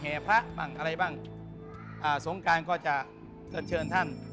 แสดงว่าตามที่โบราณว่าเนี่ย